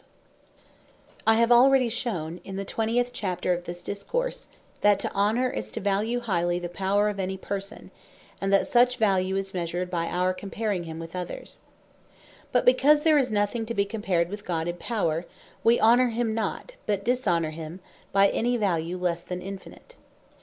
What Is Worship I have already shewn in the 20 Chapter of this Discourse, that to Honor, is to value highly the Power of any person: and that such value is measured, by our comparing him with others. But because there is nothing to be compared with God in Power; we Honor him not but Dishonour him by any Value lesse than Infinite.